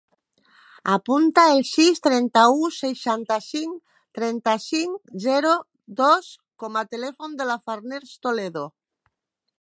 Apunta el sis, trenta-u, seixanta-cinc, trenta-cinc, zero, dos com a telèfon de la Farners Toledo.